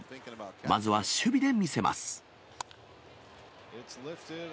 まずは守備で見せます。